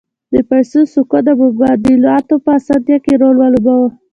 د پیسو سکو د مبادلاتو په اسانتیا کې رول ولوباوه